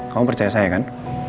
kamu percaya saya kan